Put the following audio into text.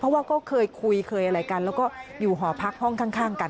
เพราะว่าก็เคยคุยเคยอะไรกันแล้วก็อยู่หอพักห้องข้างกัน